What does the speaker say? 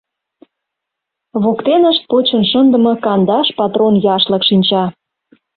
Воктенышт почын шындыме кандаш патрон яшлык шинча.